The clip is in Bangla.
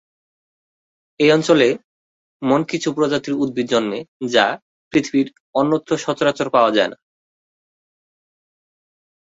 এই অঞ্চলে মন কিছু প্রজাতির উদ্ভিদ জন্মে যা পৃথিবীর অন্যত্র সচরাচর পাওয়া যায়না।